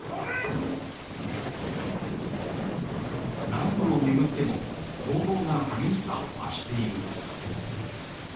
南部を巡っても攻防が激しさを増している。